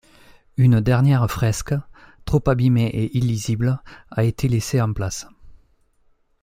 Une dernière fresque, trop abîmée et illisible, a été laissée en place.